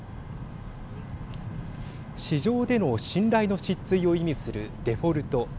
市場での信頼の失墜を意味するデフォルト。